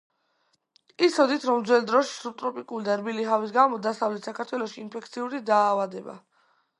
იცოდით რომ ძველ დროში სუბტროპიკული და რბილი ჰავის გამო დასავლეთ საქართველოში ინფექციური დაავადება,